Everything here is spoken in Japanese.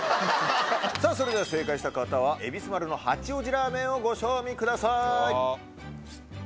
さぁそれでは正解した方はえびす丸の八王子ラーメンをご賞味ください。